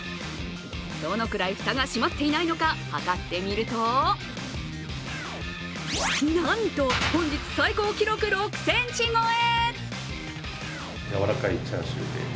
どのくらいフタが閉まっていないのか測ってみるとなんと、本日最高記録６ｃｍ超え。